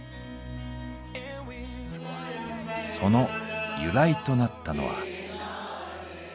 その由来となったのは。